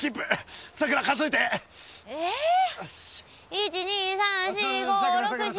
１２３４５６７８。